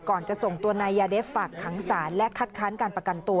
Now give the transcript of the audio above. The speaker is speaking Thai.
จะส่งตัวนายยาเดฟฝากขังศาลและคัดค้านการประกันตัว